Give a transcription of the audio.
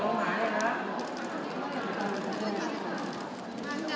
โอเคครับผม